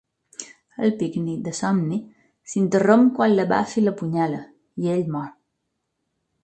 El pícnic de somni s'interromp quan la Buffy l'apunyala i ell mor.